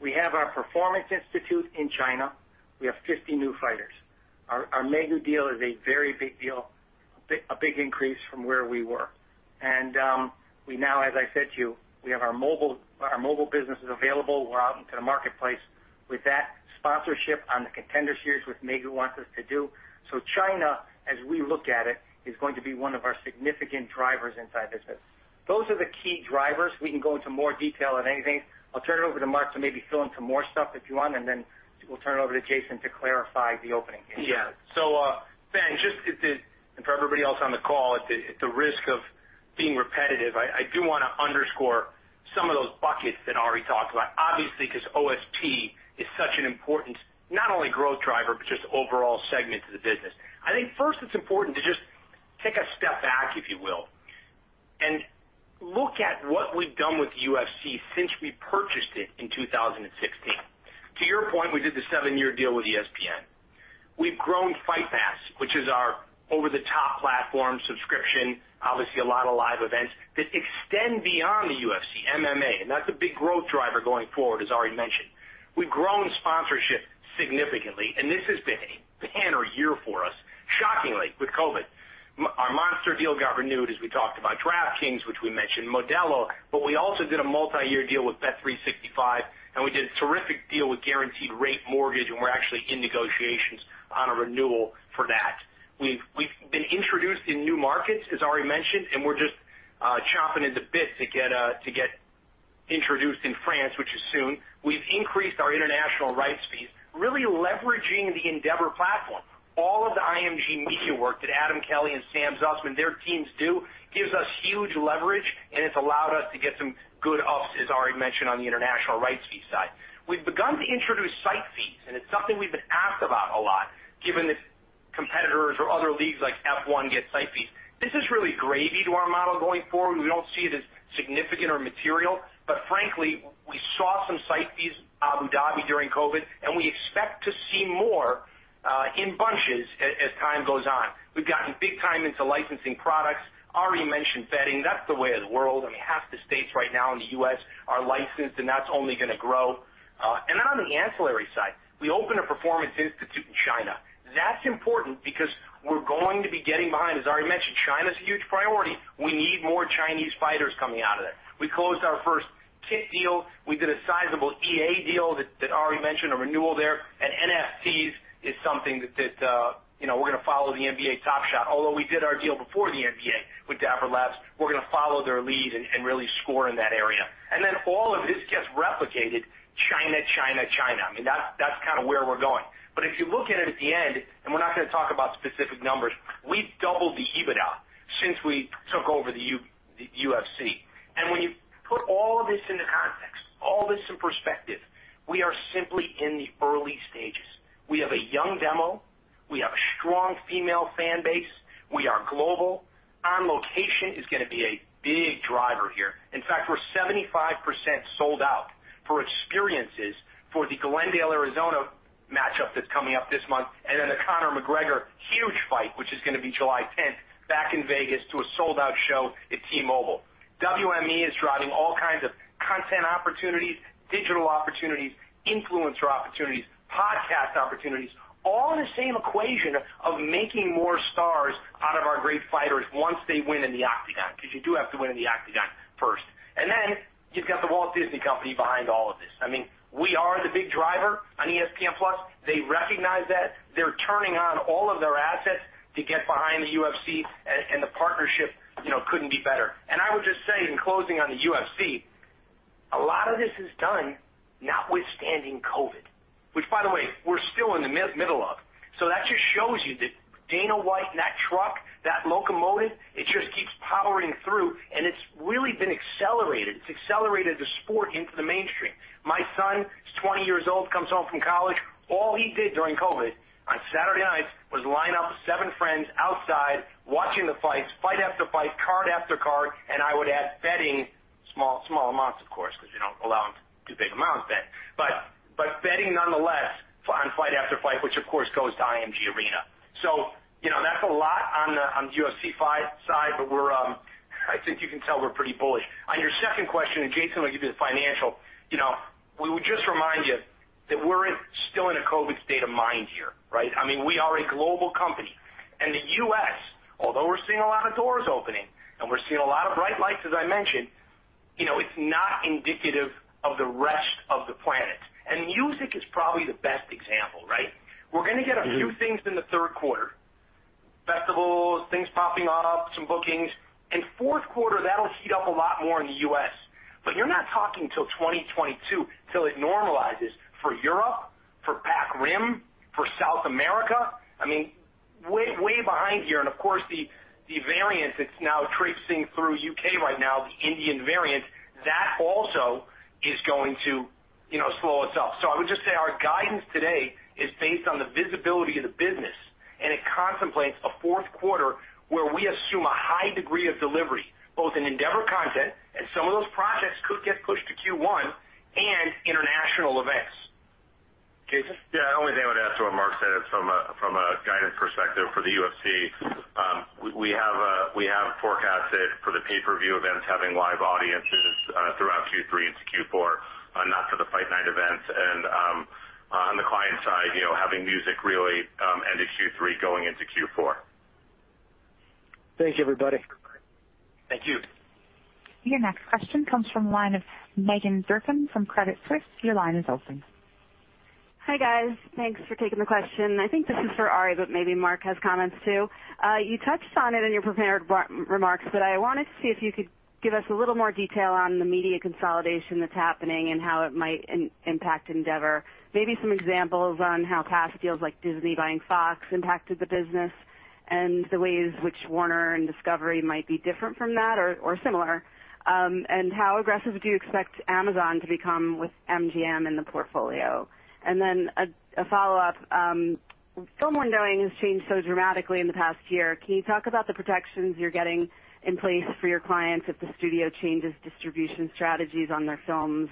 We have our Performance Institute in China. We have 50 new fighters. Our Migu deal is a very big deal, a big increase from where we were. We now, as I said to you, we have our mobile businesses available. We're out into the marketplace with that sponsorship on the Contender Series, which Migu wants us to do. China, as we look at it, is going to be one of our significant drivers inside the business. Those are the key drivers. We can go into more detail on anything. I'll turn it over to Mark to maybe fill in some more stuff if you want, and then we'll turn it over to Jason to clarify the opening. Ben, just, and for everybody else on the call, at the risk of being repetitive, I do want to underscore some of those buckets that Ari talked about. Obviously, because OSP is such an important, not only growth driver, but just overall segment to the business. I think first it's important to just take a step back, if you will, and look at what we've done with UFC since we purchased it in 2016. To your point, we did the seven-year deal with ESPN. We've grown Fight Pass, which is our over-the-top platform subscription, obviously a lot of live events that extend beyond the UFC, MMA, and that's a big growth driver going forward, as Ari mentioned. We've grown sponsorship significantly, and this has been a banner year for us, shockingly, with COVID. Our Monster deal got renewed, as we talked about DraftKings, which we mentioned, Modelo, but we also did a multi-year deal with Bet365, and we did a terrific deal with Guaranteed Rate Mortgage, and we're actually in negotiations on a renewal for that. We've been introduced in new markets, as Ari mentioned, and we're just chomping at the bit to get introduced in France, which is soon. We've increased our international rights fees, really leveraging the Endeavor platform. All of the IMG Media work that Adam Kelly and Sam Zussman, their teams do, gives us huge leverage, and it's allowed us to get some good ups, as Ari mentioned, on the international rights fee side. We've begun to introduce site fees, and it's something we've been asked about a lot, given that competitors or other leagues like F1 get site fees. This is really gravy to our model going forward. We don't see it as significant or material, but frankly, we saw some site fees, Abu Dhabi during COVID, and we expect to see more in bunches as time goes on. We've gotten big time into licensing products. Ari mentioned betting. That's the way of the world, and half the states right now in the U.S. are licensed, and that's only going to grow. Then on the ancillary side, we opened a UFC Performance Institute in China. That's important because we're going to be getting behind, as Ari mentioned, China's a huge priority. We need more Chinese fighters coming out of there. We closed our first kit deal. We did a sizable EA deal that Ari mentioned, a renewal there. NFTs is something that we're going to follow the NBA Top Shot, although we did our deal before the NBA with Dapper Labs. We're going to follow their lead and really score in that area. All of this gets replicated China. I mean, that's where we're going. If you look at it at the end, and we're not going to talk about specific numbers, we've doubled the EBITDA since we took over the UFC. When you put all of this into context, all this in perspective, we are simply in the early stages. We have a young demo. We have a strong female fan base. We are global. On Location is going to be a big driver here. In fact, we're 75% sold out for experiences for the Glendale, Arizona matchup that's coming up this month, and then the Conor McGregor huge fight, which is going to be July 10th back in Vegas to a sold-out show at T-Mobile. WME is driving all kinds of content opportunities, digital opportunities, influencer opportunities, podcast opportunities, all in the same equation of making more stars out of our great fighters once they win in the Octagon, because you do have to win in the Octagon first. You've got The Walt Disney Company behind all of this. I mean, we are the big driver on ESPN+. They recognize that. They're turning on all of their assets to get behind the UFC, and the partnership couldn't be better. I would just say in closing on the UFC, a lot of this is done notwithstanding COVID, which by the way, we're still in the middle of. That just shows you that Dana White and that truck, that locomotive, it just keeps powering through, and it's really been accelerated. It's accelerated the sport into the mainstream. My son, he's 20 years old, comes home from college. All he did during COVID on Saturday nights was line up seven friends outside watching the fights, fight after fight, card after card, and I would add betting, small amounts, of course, because you don't allow him too big amounts bet. Betting nonetheless on fight after fight, which of course goes to IMG Arena. That's a lot on the UFC side, but I think you can tell we're pretty bullish. On your second question, Jason will give you the financial, we would just remind you that we're still in a COVID state of mind here, right? We are a global company, and the U.S., although we're seeing a lot of doors opening, and we're seeing a lot of bright lights, as I mentioned, it's not indicative of the rest of the planet. Music is probably the best example, right? We're going to get a few things in the third quarter. Festivals, things popping off, some bookings. In fourth quarter, that'll heat up a lot more in the U.S., but you're not talking till 2022 till it normalizes for Europe, for Pac-Rim, for South America. Way behind here. Of course, the variant that's now traipsing through U.K. right now, the Indian variant, that also is going to slow us up. I would just say our guidance today is based on the visibility of the business, and it contemplates a fourth quarter where we assume a high degree of delivery, both in Endeavor Content and some of those projects could get pushed to Q1 and international events. Jason? Yeah, I would just add what Mark said from a guidance perspective for the UFC. We have forecasted for the pay-per-view events having live audiences throughout Q3 into Q4, not for the fight night events. On the client side, having music really end of Q3 going into Q4. Thank you, everybody. Thank you. Your next question comes from the line of Meghan Durkin from Credit Suisse. Your line is open. Hi, guys. Thanks for taking the question. I think this is for Ari, but maybe Mark has comments too. You touched on it in your prepared remarks, but I wanted to see if you could give us a little more detail on the media consolidation that's happening and how it might impact Endeavor. Maybe some examples on how past deals like Disney buying Fox impacted the business and the ways which Warner and Discovery might be different from that or similar. How aggressive do you expect Amazon to become with MGM in the portfolio? A follow-up. Film windowing has changed so dramatically in the past year. Can you talk about the protections you're getting in place for your clients if the studio changes distribution strategies on their films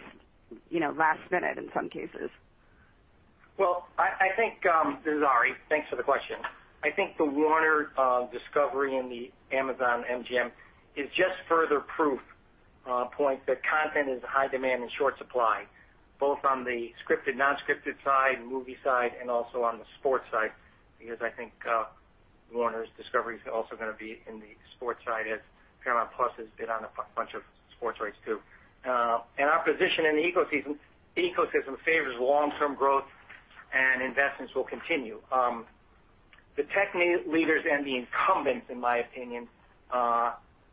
last minute in some cases? Well, this is Ari. Thanks for the question. I think the Warner-Discovery and the Amazon-MGM is just further proof points that content is in high demand and short supply, both on the scripted, non-scripted side, movie side, and also on the sports side, because I think Warner and Discovery is also going to be in the sports side as Paramount+ has bid on a bunch of sports rights, too. Our position in the ecosystem favors long-term growth and investments will continue. The tech leaders and the incumbents, in my opinion,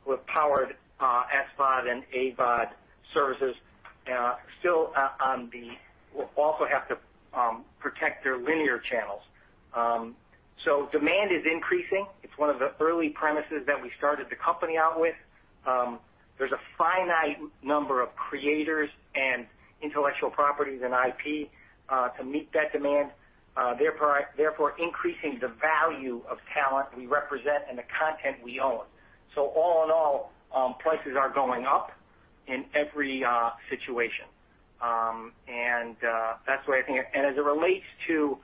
with powered SVOD and AVOD services will also have to protect their linear channels. Demand is increasing. It's one of the early premises that we started the company out with. There's a finite number of creators and intellectual properties and IP to meet that demand therefore increasing the value of talent we represent and the content we own. All in all, prices are going up in every situation. As it relates to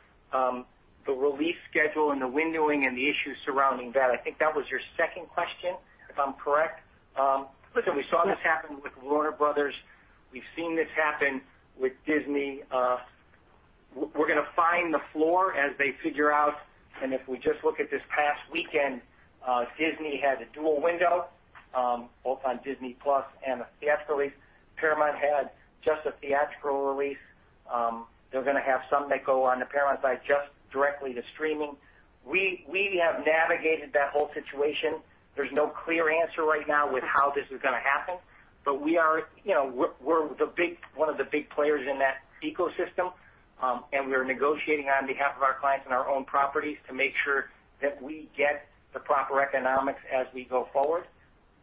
the release schedule and the windowing and the issues surrounding that, I think that was your second question, if I'm correct. Listen, we saw this happen with Warner Bros. We've seen this happen with Disney. We're going to find the floor as they figure out. If we just look at this past weekend, Disney had a dual window, both on Disney+ and a theater release. Paramount had just a theatrical release. They're going to have some that go on the Paramount side just directly to streaming. We have navigated that whole situation. There's no clear answer right now with how this is going to happen, but we're one of the big players in that ecosystem, and we're negotiating on behalf of our clients and our own properties to make sure that we get the proper economics as we go forward.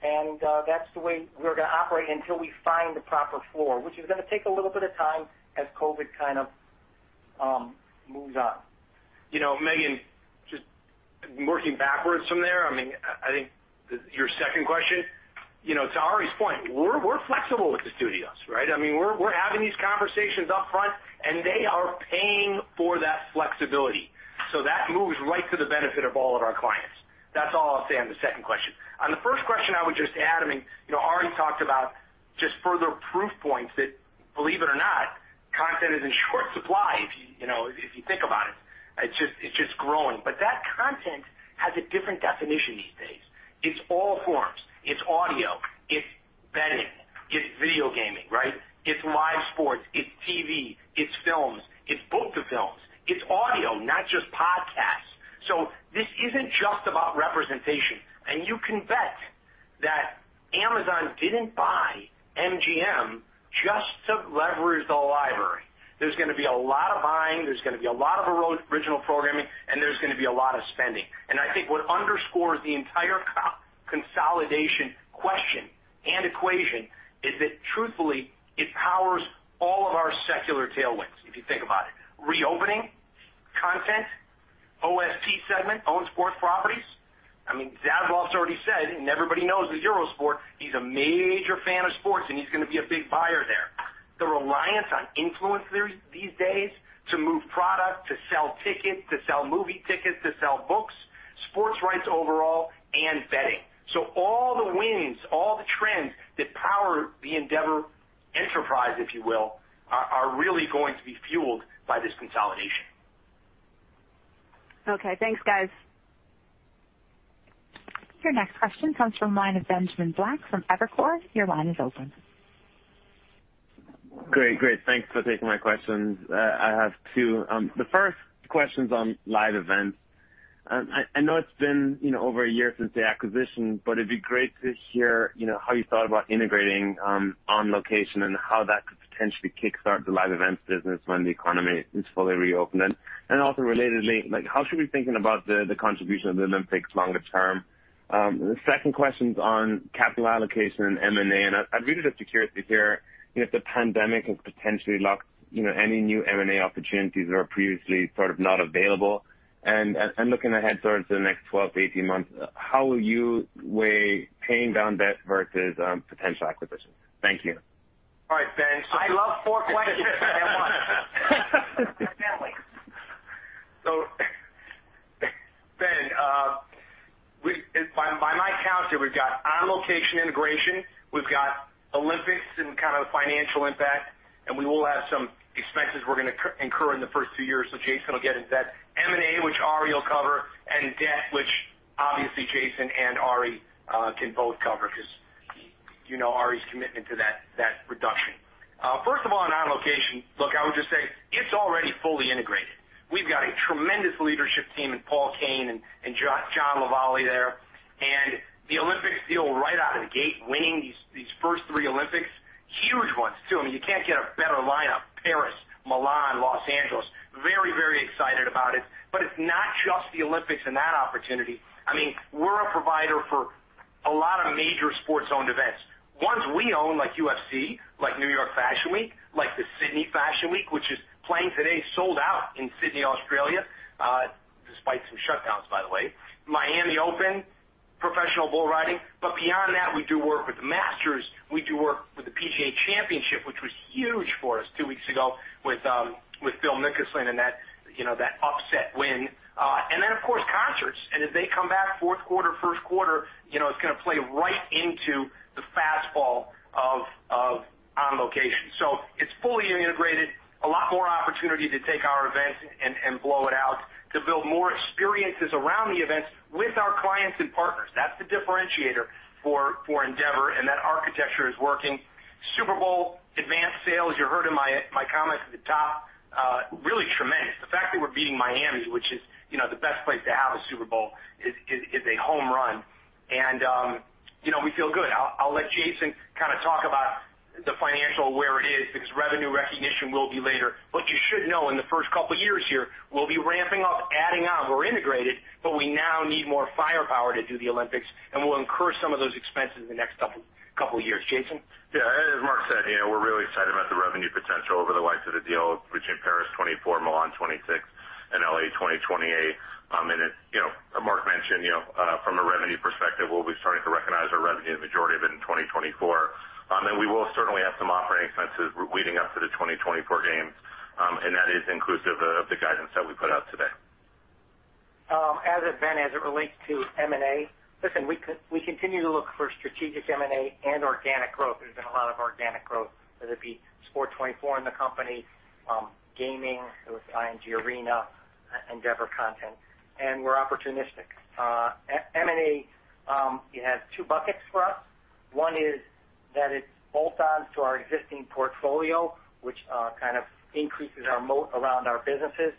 That's the way we're going to operate until we find the proper floor, which is going to take a little bit of time as COVID kind of moves on. Meghan, just working backwards from there. I think your second question. To Ari's point, we're flexible with the studios, right? We're having these conversations upfront, and they are paying for that flexibility. That moves right to the benefit of all of our clients. That's all I'll say on the second question. On the first question, I would just add, Ari talked about just further proof points that believe it or not, content is in short supply if you think about it. It's just growing. That content has a different definition these days. It's all forms. It's audio, it's betting, it's video gaming, right? It's live sports, it's TV, it's films, it's book-to-films. It's audio, not just podcasts. This isn't just about representation. You can bet that Amazon didn't buy MGM just to leverage the library. There's going to be a lot of hiring, there's going to be a lot of original programming, and there's going to be a lot of spending. I think what underscores the entire consolidation question and equation is that truthfully, it powers all of our secular tailwinds, if you think about it. Reopening, content, OST segment, Owned Sports Properties. I mean, Zaslav's already said, and everybody knows at Eurosport, he's a major fan of sports and he's going to be a big buyer there. The reliance on influencers these days to move product, to sell tickets, to sell movie tickets, to sell books sports rights overall and betting. All the wins, all the trends that power the Endeavor enterprise, if you will, are really going to be fueled by this consolidation. Okay. Thanks, guys. Your next question comes from the line of Ben Swinburne from Morgan Stanley. Your line is open. Great. Thanks for taking my questions. I have two. The first question's on live events. I know it's been over a year since the acquisition, but it'd be great to hear how you thought about integrating On Location and how that could potentially kickstart the live events business when the economy is fully reopened. Also relatedly, how should we be thinking about the contribution of the Olympics longer term? The second question's on capital allocation and M&A, and I read it as securely here, if the pandemic has potentially locked any new M&A opportunities that were previously sort of not available. Looking ahead towards the next 12-18 months, how will you weigh paying down debt versus potential acquisitions? Thank you. All right, Ben. I love four questions in one. Definitely. Ben, by my count here, we've got On Location integration, we've got Olympics and kind of the financial impact, we will have some expenses we're going to incur in the first few years, Jason will get into that. M&A, which Ari will cover, and debt, which obviously Jason and Ari can both cover because you know Ari's commitment to that reduction. First of all, on On Location, look, I would just say it's already fully integrated. We've got a tremendous leadership team in Paul Caine and Jon Lavallee there. The Olympics deal right out of the gate, winning these first three Olympics, huge ones too. I mean, you can't get a better lineup. Paris, Milan, Los Angeles. Very excited about it's not just the Olympics and that opportunity. I mean, we're a provider for a lot of major sports-owned events, ones we own, like UFC, like New York Fashion Week, like the Australian Fashion Week, which is playing today, sold out in Sydney, Australia, despite some shutdowns, by the way, Miami Open, professional bull riding. Beyond that, we do work with the Masters, we do work with the PGA Championship, which was huge for us two weeks ago with Phil Mickelson and that upset win. Then, of course, concerts. As they come back fourth quarter, first quarter, it's going to play right into the fastball of On Location. It's fully integrated, a lot more opportunity to take our events and blow it out, to build more experiences around the events with our clients and partners. That's the differentiator for Endeavor, and that architecture is working. Super Bowl advanced sales, you heard in my comments at the top, really tremendous. The fact that we're beating Miami, which is the best place to have a Super Bowl, is a home run. We feel good. I'll let Jason talk about the financial where it is, because revenue recognition will be later. What you should know in the first couple of years here, we'll be ramping up, adding on. We're integrated. We now need more firepower to do the Olympics. We'll incur some of those expenses in the next couple of years. Jason? Yeah. As Mark said, we're really excited about the revenue potential over the likes of the deal between Paris 2024, Milan 2026, and L.A. 2028. As Mark mentioned, from a revenue perspective, we'll be starting to recognize our revenue, the majority of it, in 2024. We will certainly have some operating expenses leading up to the 2024 games, and that is inclusive of the guidance that we put out today. Ben, as it relates to M&A, listen, we continue to look for strategic M&A and organic growth. There's been a lot of organic growth, whether it be Sport 24 in the company, gaming with IMG Arena, Endeavor Content, and we're opportunistic. M&A, it has two buckets for us. One is that it's bolt-ons to our existing portfolio, which kind of increases our moat around our businesses.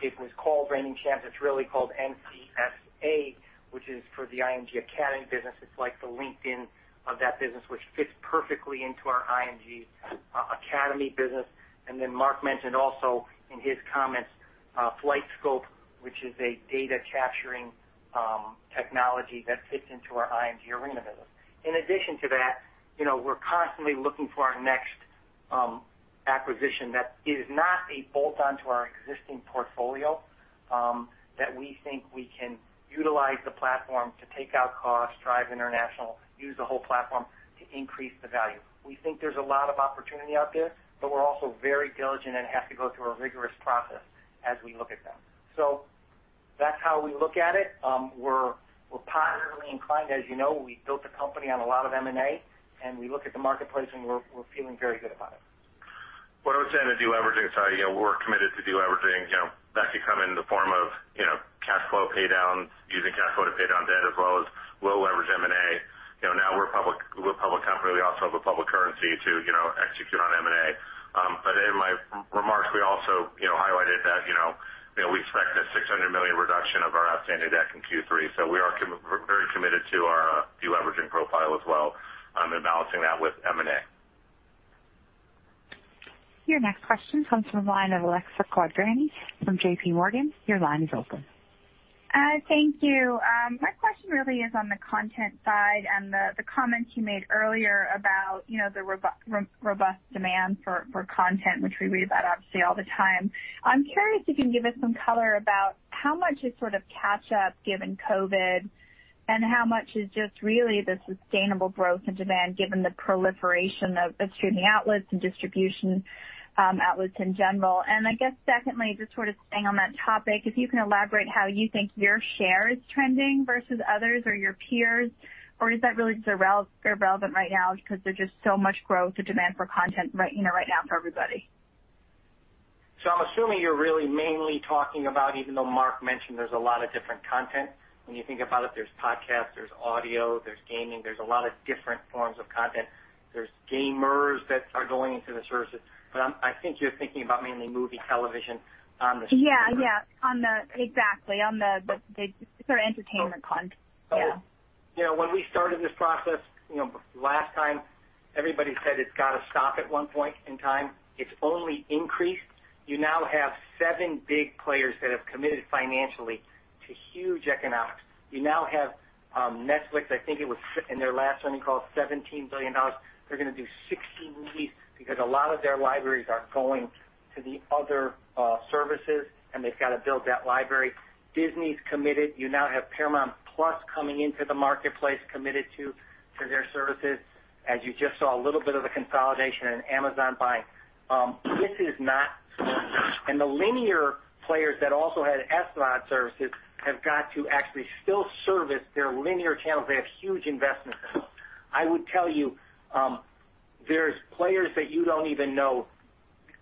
It was called Reigning Champs. It's really called NCSA, which is for the IMG Academy business. It's like the LinkedIn of that business, which fits perfectly into our IMG Academy business. Then Mark mentioned also in his comments, FlightScope, which is a data capturing technology that fits into our IMG Arena business. In addition to that, we're constantly looking for our next acquisition that is not a bolt-on to our existing portfolio, that we think we can utilize the platform to take out costs, drive international, use the whole platform to increase the value. We think there's a lot of opportunity out there, but we're also very diligent and have to go through a rigorous process as we look at them. That's how we look at it. We're partneredly inclined. As you know, we built the company on a lot of M&A, and we look at the marketplace and we're feeling very good about it. Your next question comes from the line of Alexia Quadrani from JPMorgan. Your line is open. Thank you. My question really is on the content side and the comments you made earlier about the robust demand for content, which we read about obviously all the time. I'm curious if you can give us some color about how much is sort of catch-up given COVID and how much is just really the sustainable growth in demand given the proliferation of the streaming outlets and distribution outlets in general. I guess secondly, just sort of staying on that topic, if you can elaborate how you think your share is trending versus others or your peers, or is that really just irrelevant right now because there's just so much growth and demand for content right now for everybody? I'll assume you're really mainly talking about, even though Mark mentioned there's a lot of different content. When you think about it, there's podcasts, there's audio, there's gaming, there's a lot of different forms of content. There's gamers that are going into the services. I think you're thinking about mainly movie television on the. Yeah. Exactly, on the pure entertainment content. Yeah. When we started this process, last time, everybody said it's got to stop at one point in time. It's only increased. You now have seven big players that have committed financially to huge economics. You now have Netflix, I think it was in their last earnings call, $17 billion. They're going to do 60 releases because a lot of their libraries are going to the other services, and they've got to build that library. Disney's committed. You now have Paramount+ coming into the marketplace, committed to their services. As you just saw, a little bit of a consolidation in Amazon buying. This is not slowing down. The linear players that also had SVOD services have got to actually still service their linear channels. They have huge investments. I would tell you, there's players that you don't even know.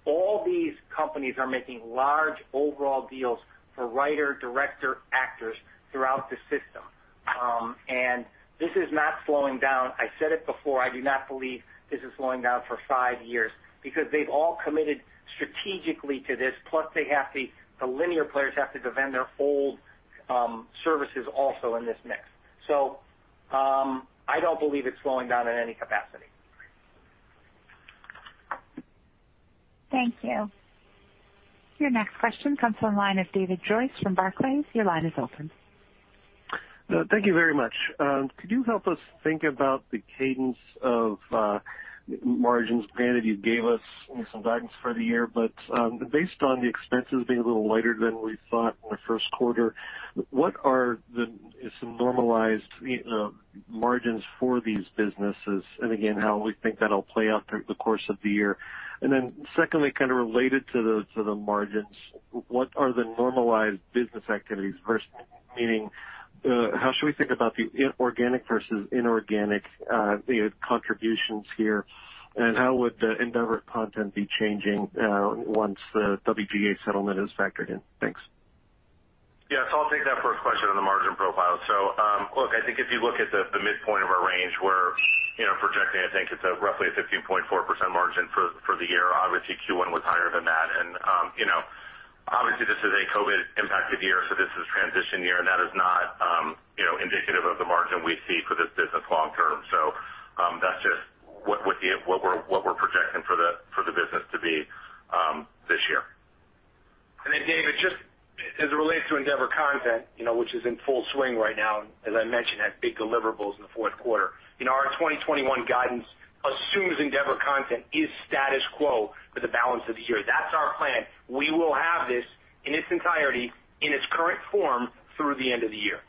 All these companies are making large overall deals for writer, director, actors throughout the system. This is not slowing down. I said it before, I do not believe this is slowing down for five years because they've all committed strategically to this, plus the linear players have to defend their old services also in this mix. I don't believe it's slowing down in any capacity. Thank you. Your next question comes from the line of David Joyce from Barclays. Your line is open. Thank you very much. Could you help us think about the cadence of margins? Granted, you gave us some guidance for the year, but based on the expenses being a little lighter than we thought in the first quarter, what are some normalized margins for these businesses? again, how we think that'll play out through the course of the year. secondly, kind of related to the margins, what are the normalized business activities? First, meaning, how should we think about the organic versus inorganic contributions here, and how would the Endeavor Content be changing once the WGA settlement is factored in? Thanks. Yeah. I'll take that first question on the margin profile. Look, I think if you look at the midpoint of our range, we're projecting, I think it's a roughly 15.4% margin for the year. Obviously Q1 was higher than that. Obviously this is a COVID-impacted year, so this is a transition year. That is not indicative of the margin we see for this business long term. That's just what we're projecting for the business to be this year. Then David, just as it relates to Endeavor Content, which is in full swing right now, as I mentioned, I think deliverables the fourth quarter. Our 2021 guidance assumes Endeavor Content is status quo for the balance of the year. That's our plan. We will have this in its entirety, in its current form through the end of the year.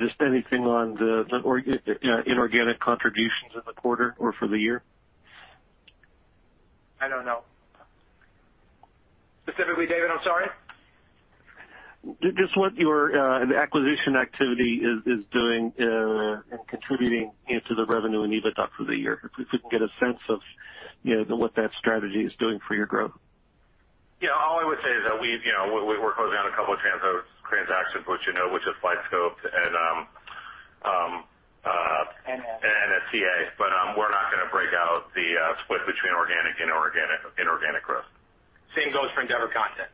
Just anything on the inorganic contributions in the quarter or for the year? I don't know. Specifically, David, I'm sorry? What your acquisition activity is doing and contributing into the revenue and EBITDA for the year. We could get a sense of what that strategy is doing for your growth. Yeah. All I would say is that we're closing down a couple of transactions, which you know, which is FlightScope and NCSA, but we're not going to break out the split between organic and inorganic growth. Same goes for Endeavor Content.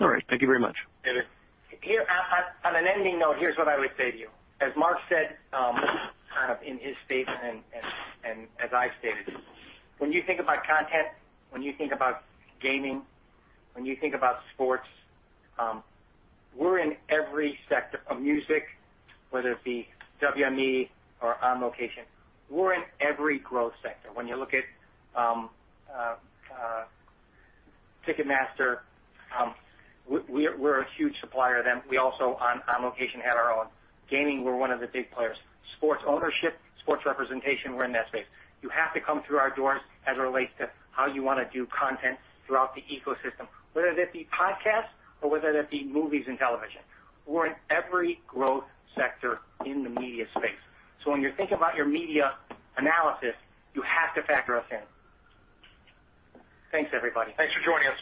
All right. Thank you very much. David. On an ending note, here's what I would say to you. As Mark said kind of in his statement and as I've stated to you, when you think about content, when you think about gaming, when you think about sports, we're in every sector of music, whether it be WME or On Location. We're in every growth sector. When you look at Ticketmaster, we're a huge supplier to them. We also own On Location at our own. Gaming, we're one of the big players. Sports ownership, sports representation, we're in that space. You have to come through our doors as it relates to how you want to do content throughout the ecosystem, whether it be podcasts or whether it be movies and television. We're in every growth sector in the media space. When you think about your media analysis, you have to factor us in. Thanks, everybody. Thanks for joining us.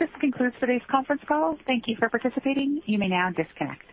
This concludes today's conference call. Thank you for participating. You may now disconnect.